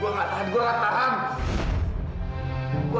gue gak tahan gue gak tahan gue gak tahan gue gak tahan